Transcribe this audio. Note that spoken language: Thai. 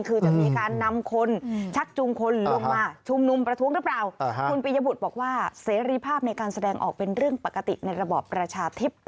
คือจะมีการนำคนชักจุงคนลงมา